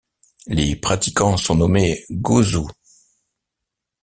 Les pratiquants sont nommés Gosu.